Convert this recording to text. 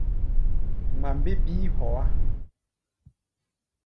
Ŋma mbé bíí hɔá.